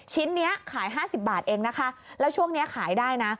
ชิ้นนี้ขาย๕๐บาทเองนะคะแล้วช่วงนี้ขายได้นะ